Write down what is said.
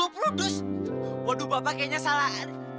apa dua puluh dus waduh bapak kayaknya salah